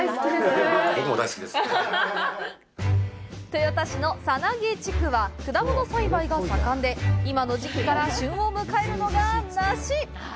豊田市の猿渡地区は果物栽培が盛んで今の時期から旬を迎えるのが梨！